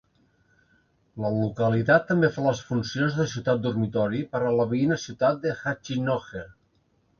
La localitat també fa les funcions de ciutat dormitori per a la veïna ciutat de Hachinohe.